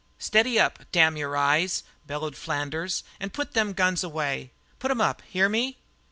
"Steady up, damn your eyes!" bellowed Flanders, "and put them guns away. Put 'em up; hear me?"